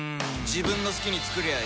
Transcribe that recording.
自分の好きに作りゃいい